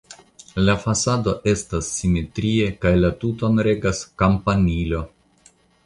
La fasado estas simetria kaj la tuton regas kampanilo.